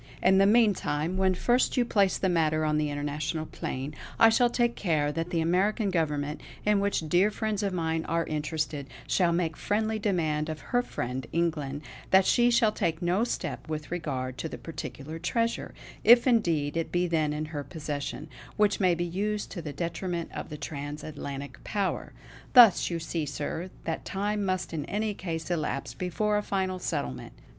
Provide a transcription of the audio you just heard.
In the meantime, when first you place the matter on the international plane, I shall take care that the American government, in which dear friends of mine are interested, shall make friendly demand of her friend, England, that she shall take no step with regard to this particular treasure if indeed it be then in her possession which may be used to the detriment of the trans Atlantic power. Thus you see, sir, that time must in any case elapse before a final settlement.